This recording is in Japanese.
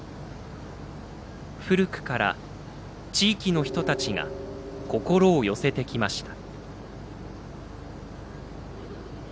古くから地域の人たちが心を寄せてきました。